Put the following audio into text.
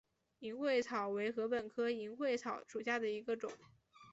银穗草为禾本科银穗草属下的一个种。